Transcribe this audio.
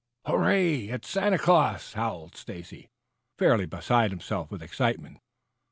"Hooray, it's Santa Claus," howled Stacy, fairly beside himself with excitement.